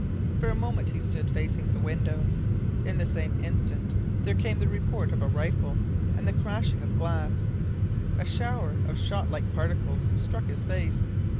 For a moment he stood facing the window. In the same instant there came the report of a rifle and the crashing of glass. A shower of shot like particles struck his face.